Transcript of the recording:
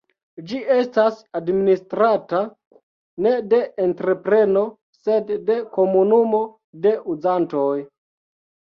Ĝi estas administrata ne de entrepreno sed de komunumo de uzantoj.